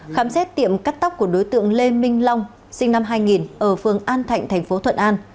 khám xét tiệm cắt tóc của đối tượng lê minh long sinh năm hai nghìn ở phường an thạnh thành phố thuận an